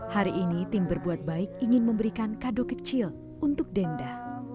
hari ini tim berbuat baik ingin memberikan kado kecil untuk denda